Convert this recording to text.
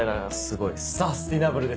すごい。